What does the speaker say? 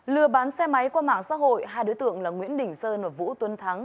lừa bán xe máy qua mạng xã hội hai đối tượng là nguyễn đình sơn và vũ tuấn thắng